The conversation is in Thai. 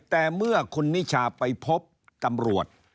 แต่เมื่อคุณนิชาไปพบตำรวจ